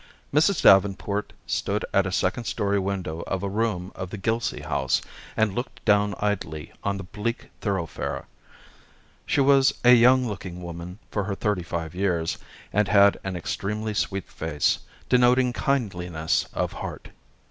Mrs. Davenport stood at a second story window of a room of the Gilsey House, and looked down idly on the bleak thoroughfare. She was a young looking woman for her thirty five years, and had an extremely sweet face, denoting kindliness of heart.